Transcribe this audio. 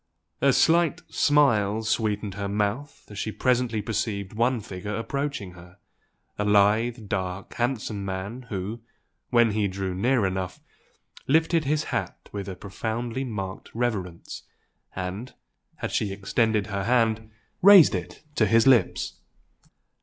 A slight smile sweetened her mouth as she presently perceived one figure approaching her, a lithe, dark, handsome man, who, when he drew near enough, lifted his hat with a profoundly marked reverence, and, as she extended her hand, raised it to his lips.